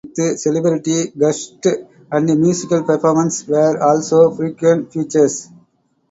Interviews with celebrity guests and musical performances were also frequent features.